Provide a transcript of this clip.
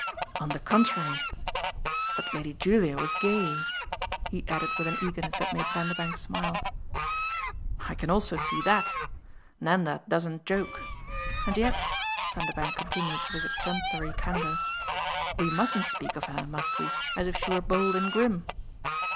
"On the contrary. But Lady Julia was gay!" he added with an eagerness that made Vanderbank smile. "I can also see that. Nanda doesn't joke. And yet," Vanderbank continued with his exemplary candour, "we mustn't speak of her, must we? as if she were bold and grim."